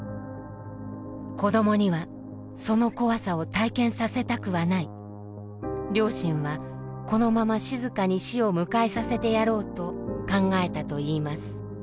子供にはその怖さを体験させたくはない両親はこのまま静かに死を迎えさせてやろうと考えたといいます。